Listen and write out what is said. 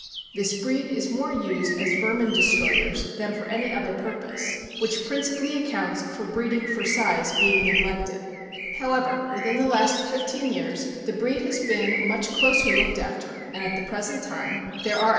This breed is more used as vermin destroyers than for any other purpose, which principally accounts for breeding for size being teglected. However, within the last fifteen years the breed has been much closer looked after, and at the present time, there are a THE IRISH TERRIER.